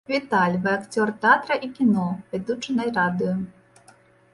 Віталь, вы акцёр тэатра і кіно, вядучы на радыё.